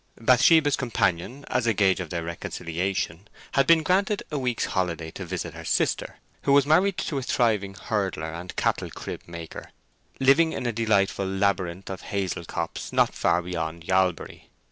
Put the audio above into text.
Bathsheba's companion, as a gauge of their reconciliation, had been granted a week's holiday to visit her sister, who was married to a thriving hurdler and cattle crib maker living in a delightful labyrinth of hazel copse not far beyond Yalbury.